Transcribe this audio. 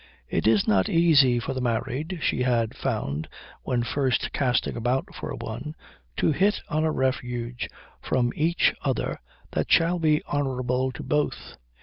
It is not easy for the married, she had found when first casting about for one, to hit on a refuge from each other that shall be honourable to both.